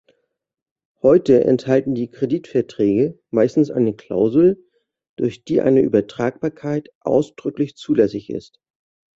Heute enthalten die Kreditverträge meistens eine Klausel, durch die eine Übertragbarkeit ausdrücklich zulässig ist.